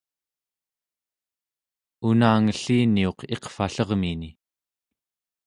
unangelliniuq iqvallermini